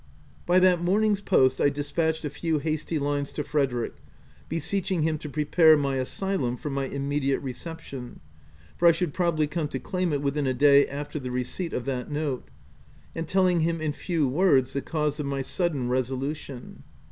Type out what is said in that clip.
107 By that morning's post, I despatched a few hasty lines to Frederick, beseeching him to pre pare my asylum for my immediate reception — for I should probably come to claim it within a day after the receipt of that note, — and telling him in few words, the cause of my sudden re solution.